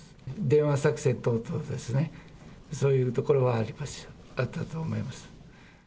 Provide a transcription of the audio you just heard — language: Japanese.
電話作戦等々ですね、そういうところはあったと思います。